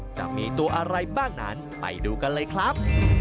จะมีตัวอะไรบ้างนั้นไปดูกันเลยครับ